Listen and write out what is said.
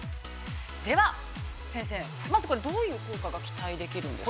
では、先生、まずこれどういう効果が期待できるんですか。